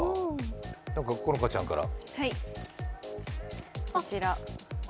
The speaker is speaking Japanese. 好花ちゃんから。